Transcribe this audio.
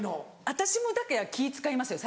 私もだから気使いますよ